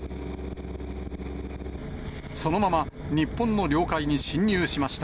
そのまま日本の領海に侵入しました。